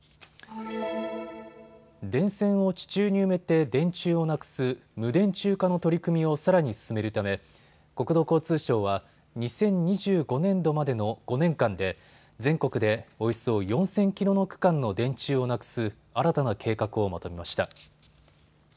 電線を地中に埋めて電柱をなくす無電柱化の取り組みをさらに進めるため国土交通省は２０２５年度までの５年間で全国でおよそ４０００キロの区間の電柱をなくす新たな計画をまとめました。